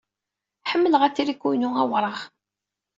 Ḥemmleɣ atriku-inu awraɣ.